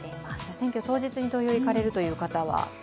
選挙当日に投票行かれるという方は。